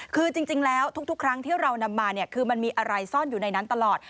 คือจริงแล้วทุกครั้งที่เรานำมาเนี่ยคือมันมีอะไรซ่อนอยู่ในนั้นตลอด